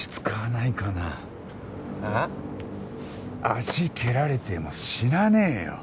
足蹴られても死なねえよ。